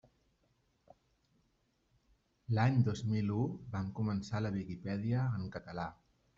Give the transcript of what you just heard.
L'any dos mil u vam començar la Viquipèdia en català.